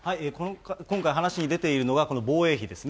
今回、話に出ているのがこの防衛費ですね。